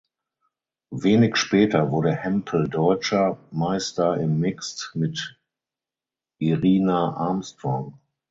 Wenig später wurde Hempel Deutscher Meister im Mixed mit Irina Armstrong.